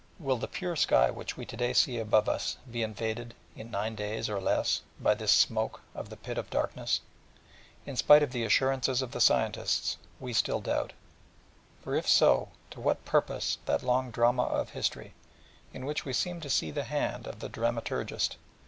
Will the pure sky which we to day see above us be invaded in nine days, or less, by this smoke of the Pit of Darkness? In spite of the assurances of the scientists, we still doubt. For, if so, to what purpose that long drama of History, in which we seem to see the Hand of the Dramaturgist?